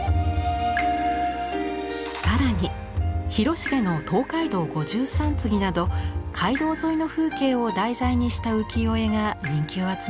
更に広重の「東海道五十三次」など街道沿いの風景を題材にした浮世絵が人気を集めます。